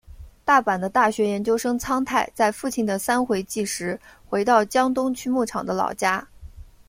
大阪的大学研究生苍太在父亲的三回忌时回到江东区木场的老家。